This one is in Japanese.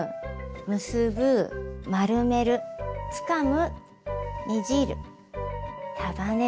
「結ぶ」「丸める」「つかむ」「ねじる」「束ねる」